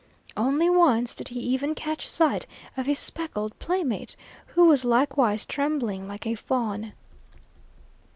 Only once did he even catch sight of his speckled playmate, who was likewise trembling like a fawn.